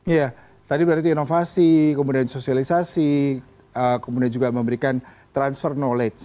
ya tadi berarti inovasi kemudian sosialisasi kemudian juga memberikan transfer knowledge